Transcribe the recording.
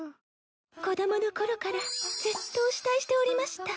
子供のころからずっとお慕いしておりました。